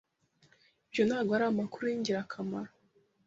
Ibyo ntabwo ari amakuru yingirakamaro.